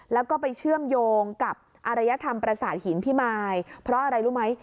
แล้วก็ไปเชื่อมโยงกับอรยธรรมประสาทหินพิมายเพราะอะไรรู้ไหม